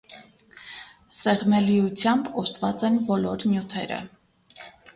Սեղմելիությամբ օժտված են բոլոր նյութերը։